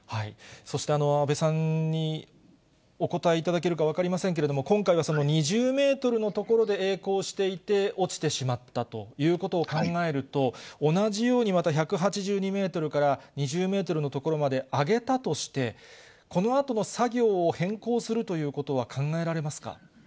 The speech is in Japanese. そして安倍さんにお答えいただけるか分かりませんけれども、今回は２０メートルの所でえい航していて、落ちてしまったということを考えると、同じようにまた１８２メートルから２０メートルの所まであげたとして、このあとの作業を変更するということは考えられますか。